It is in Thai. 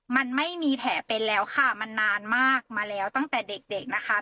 มันไม่มีแผลเป็นแล้วค่ะมันนานมากมาแล้วตั้งแต่เด็กเด็กนะคะ